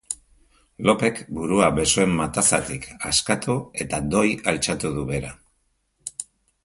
Lopek burua besoen matazatik askatu eta doi altxatu du bera.